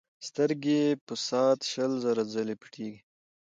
سترګې په ساعت شل زره ځلې پټېږي.